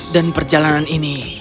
dan perjalanan ini